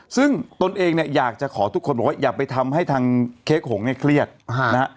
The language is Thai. ซึ่งตนเองเนี่ยอยากจะขอทุกคนบอกว่าอย่าไปทำให้ทางเค้กหงเนี่ยเครียดนะฮะ